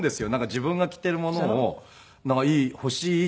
自分が着ているものを欲しい。